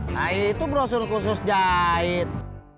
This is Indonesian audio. nah itu brosun khusus jahit